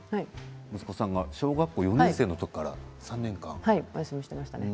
息子さんが小学校４年生の時からお休みしていましたね。